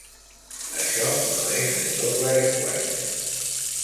Això no és un doble llenguatge.